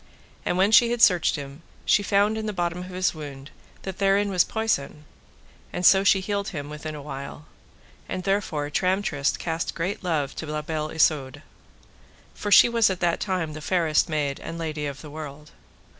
And when she had searched him she found in the bottom of his wound that therein was poison, and so she healed him within a while; and therefore Tramtrist cast great love to La Beale Isoud, for she was at that time the fairest maid and lady of the world.